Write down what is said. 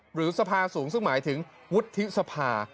หรือสภาสูงซึ่งหมายถึงวุฒิสภา